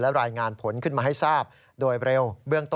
และรายงานผลขึ้นมาให้ทราบ